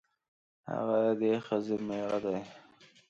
هغه د دې ښځې مېړه دی.